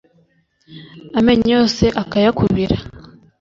Amenyo yose akayakubira